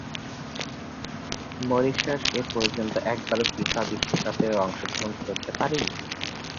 Mauritius এপর্যন্ত একবারও FIFA বিশ্বকাপে অংশগ্রহণ করতে পারেনি।